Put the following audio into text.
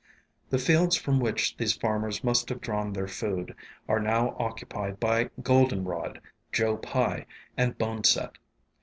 The fields from which these farmers must have drawn their food, are now occupied by Goldenrod, Joe Pye, and Boneset.